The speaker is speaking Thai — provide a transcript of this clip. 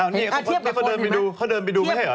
อ้าวนี่เขาเดินไปดูไม่ใช่หรือ